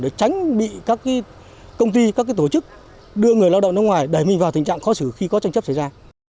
để tránh bị các công ty các tổ chức đưa người lao động nước ngoài đẩy mình vào tình trạng khó xử khi có tranh chấp xảy ra